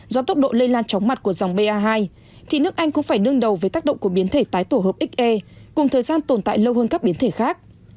do tốc độ lây lan chóng mặt của dòng ba hai thì nước anh cũng phải đương đầu với tác động của biến thể tái tổ hợp xr cùng thời gian tồn tại lâu hơn các biến thể khác